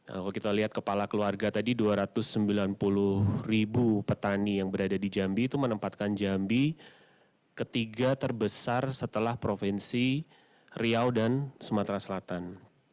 kalau kita lihat kepala keluarga tadi dua ratus sembilan puluh ribu petani yang berada di jambi itu menempatkan jambi ketiga terbesar setelah provinsi riau dan sumatera selatan